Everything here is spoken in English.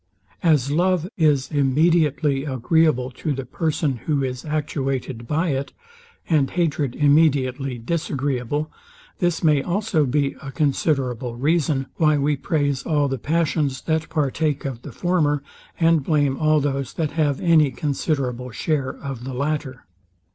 As Love is immediately agreeable to the person, who is actuated by it, and hatred immediately disagreeable; this may also be a considerable reason, why we praise all the passions that partake of the former, and blame all those that have any considerable share of the latter.